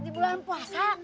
di bulan puasa